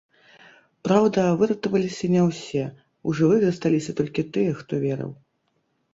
Праўда, выратаваліся не ўсе, у жывых засталіся толькі тыя, хто верыў.